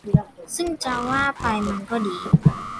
ซึ่งจะว่าไปมันก็ดี